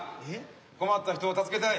困った人を助けたい。